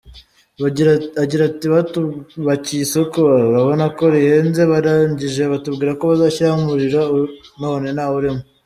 Agira ati “Batwubakiye isoko, urabona ko rihenze, barangije batubwira ko bazashyiramo umuriro none ntawurimo.